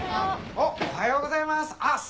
おっおはようございます！